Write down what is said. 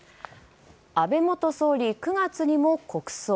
安倍元総理、９月にも国葬。